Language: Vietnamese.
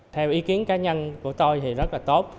theo ý kiến cá nhân của tôi thì rất là tốt